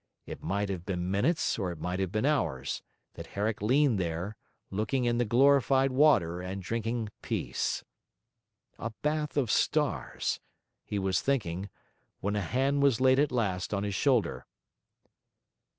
It might have been minutes or it might have been hours, that Herrick leaned there, looking in the glorified water and drinking peace. 'A bath of stars,' he was thinking; when a hand was laid at last on his shoulder.